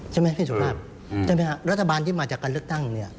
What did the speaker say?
ใช่ไหมพี่สุภาพใช่ไหมครับรัฐบาลที่มาจากการเลือกตั้งเนี่ย